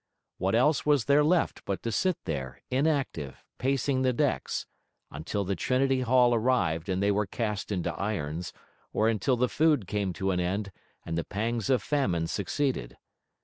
What else was then left but to sit there, inactive, pacing the decks until the Trinity Hall arrived and they were cast into irons, or until the food came to an end, and the pangs of famine succeeded?